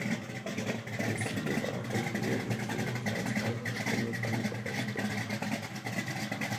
Und viele waren nur mit weniger als "einer" Stimme wahlberechtigt.